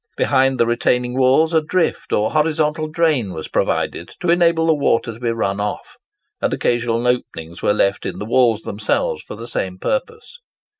Behind the retaining walls, a drift or horizontal drain was provided to enable the water to run off, and occasional openings were left in the walls themselves for the same purpose.